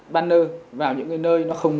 banner vào những nơi nó không